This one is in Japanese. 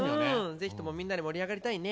是非ともみんなで盛り上がりたいね。